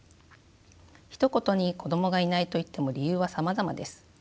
ひと言に子どもがいないといっても理由はさまざまです。